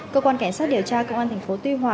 cơ quan cảnh sát điều tra công an tp tuy hòa